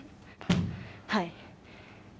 はい。